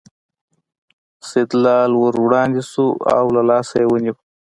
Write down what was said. سیدلال ور وړاندې شو او له لاسه یې ونیو.